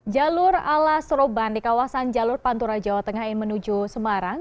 jalur ala seroban di kawasan jalur pantura jawa tengah yang menuju semarang